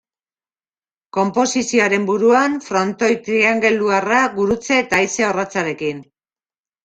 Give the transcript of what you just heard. Konposizioaren buruan, frontoi triangeluarra, gurutze eta haize-orratzarekin.